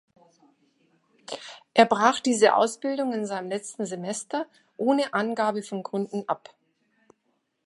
Er brach diese Ausbildung in seinem letzten Semester ohne Angabe von Gründen ab.